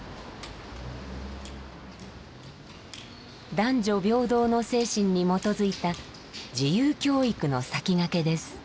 男女平等の精神に基づいた自由教育の先駆けです。